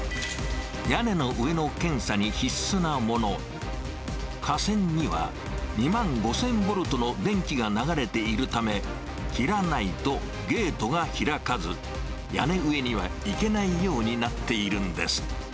屋根の上の検査に必須なもの、架線には、２万５０００ボルトの電気が流れているため、切らないとゲートが開かず、屋根上には行けないようになっているんです。